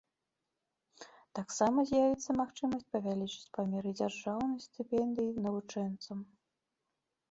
Таксама з'явіцца магчымасць павялічыць памеры дзяржаўных стыпендый навучэнцам.